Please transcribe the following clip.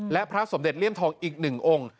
และพระสมเด็จเลี่ยมทองอีก๑องค์